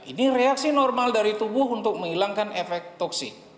ini reaksi normal dari tubuh untuk menghilangkan efek toksik